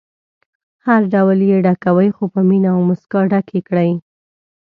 هر ډول یې ډکوئ خو په مینه او موسکا ډکې کړئ.